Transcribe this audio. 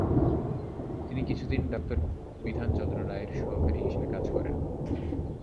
তিনি কিছু দিন ডা.বিধানচন্দ্র রায়ের সহকারী হিসাবে কাজ করেন।